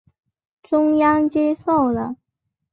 中央接受了。